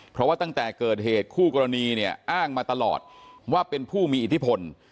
เพราะว่าตั้งแต่เกิดเหตุคู่กรณีเนี่ยอ้างมาตลอดว่าเป็นผู้มีอิทธิพล